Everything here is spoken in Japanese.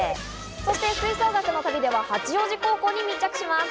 そして吹奏楽の旅では八王子高校に密着します。